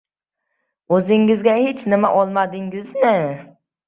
— o‘zingizga hech nima olmadingizmi?